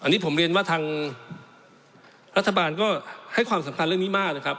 อันนี้ผมเรียนว่าทางรัฐบาลก็ให้ความสำคัญเรื่องนี้มากนะครับ